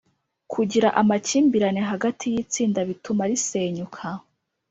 kugira amakimbirane hagati y’itsinda bituma risenyuka